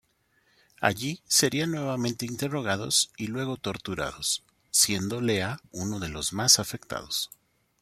Allí serían nuevamente interrogados y luego torturados, siendo Olea uno de los más afectados.